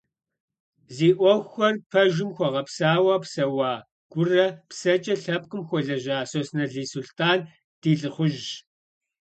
Зи ӏуэхухэр пэжым хуэгъэпсауэ псэуа, гурэ псэкӏэ лъэпкъым хуэлэжьа Сосналы Сулътӏан ди лӏыхъужьщ.